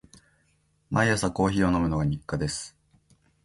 毎朝コーヒーを飲むのが日課です。